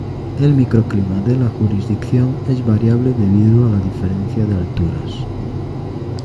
El micro clima de la jurisdicción es variable debido a la diferencia de alturas.